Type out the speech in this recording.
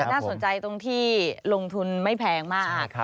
น่าสนใจตรงที่ลงทุนไม่แพงมาก